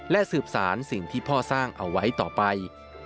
และสืบสารสิ่งที่พ่อสร้างเอาไว้ต่อไป